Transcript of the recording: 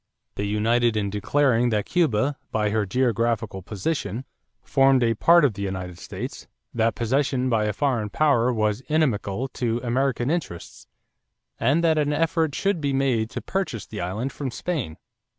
They united in declaring that Cuba, by her geographical position, formed a part of the United States, that possession by a foreign power was inimical to American interests, and that an effort should be made to purchase the island from Spain.